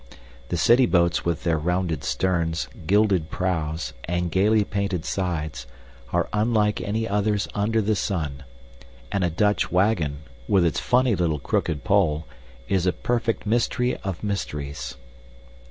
The city boats with their rounded sterns, gilded prows, and gaily painted sides, are unlike any others under the sun; and a Dutch wagon, with its funny little crooked pole, is a perfect mystery of mysteries.